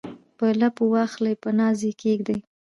په لپو واخلي په ناز یې کښیږدي